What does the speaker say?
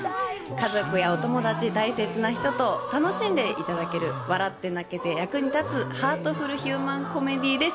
家族やお友達、大切な人と楽しんでいただける、笑って泣けて役に立つ、ハートフルヒューマンコメディーです。